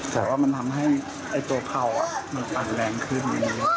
แต่ว่ามันทำให้ตัวเขาต่างแรงขึ้น